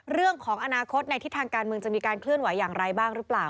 เรื่องของอนาคตในทิศทางการเมืองจะมีการเคลื่อนไหวอย่างไรบ้างหรือเปล่า